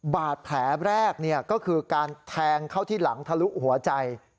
บาดแผลแรกก็คือการแทงเข้าที่หลังทะลุหัวใจ